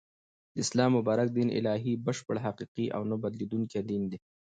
د اسلام مبارک دین الهی ، بشپړ ، حقیقی او نه بدلیدونکی دین دی